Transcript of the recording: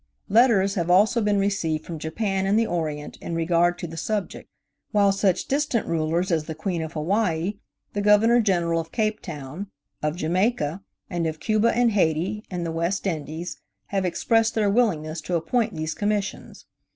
Letters have also been received from Japan and the Orient in regard to the subject, while such distant rulers as the Queen of Hawaii, the Governor General of Cape Town, of Jamaica, and of Cuba and Hayti, in the West Indies, have expressed their willingness to appoint these Commissions.